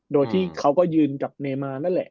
โดยที่เขาก็ยืนกับเนมานั่นแหละ